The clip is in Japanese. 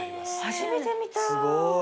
初めて見た。